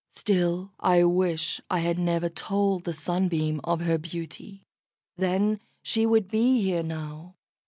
"Still, I wish I had never told the Sunbeam of her beauty; then she would be here now."